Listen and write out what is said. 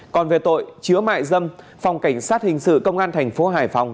còn về tội chứa mại dâm phòng cảnh sát hình sự công an tp hải phòng